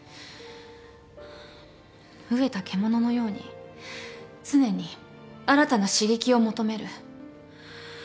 飢えた獣のように常に新たな刺激を求める。